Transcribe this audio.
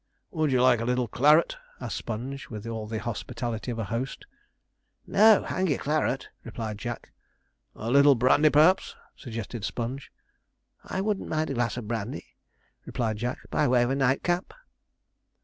'Would you like a little claret?' asked Sponge, with all the hospitality of a host. 'No, hang your claret!' replied Jack. 'A little brandy, perhaps?' suggested Sponge. 'I shouldn't mind a glass of brandy,' replied Jack, 'by way of a nightcap.'